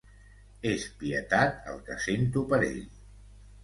És pietat el que sento per ell.